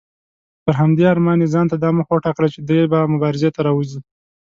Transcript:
پر همدې ارمان یې ځانته دا موخه وټاکله چې دی به مبارزې ته راوځي.